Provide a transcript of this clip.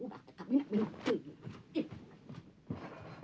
buat te kamu ini minum